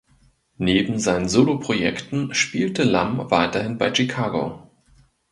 Neben seinen Soloprojekten spielte Lamm weiterhin bei Chicago.